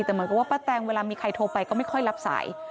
แต่เหมือนกับว่าป้าแตงเวลามีใครโทรไปก็ไม่ค่อยรับสาย